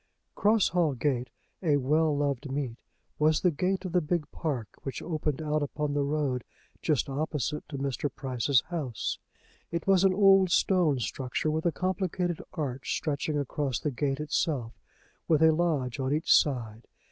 Cross Hall Gate, a well loved meet, was the gate of the big park which opened out upon the road just opposite to Mr. Price's house. It was an old stone structure, with a complicated arch stretching across the gate itself, with a lodge on each side.